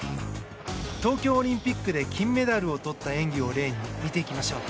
東京オリンピックで金メダルをとった演技を例に見ていきましょう。